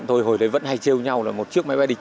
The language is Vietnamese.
hồi đấy vẫn hay trêu nhau là một chiếc máy bay địch